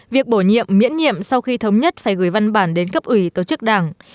việc bổ nhiệm miễn nhiệm sau khi thống nhất phải gửi văn bản đến cấp ủy tổ chức đảng